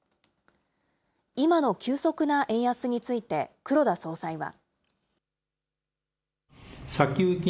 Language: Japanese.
今の急速な円安について、黒田総裁は。